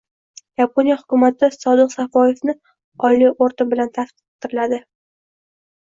Yaponiya hukumati Sodiq Safoyevni oliy orden bilan taqdirladi